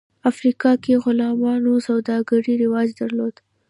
افریقا کې غلامانو سوداګري رواج درلود.